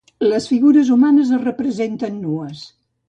Les figures humanes es representen nues.